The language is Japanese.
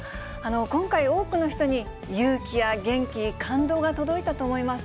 今回、多くの人に勇気や元気、感動が届いたと思います。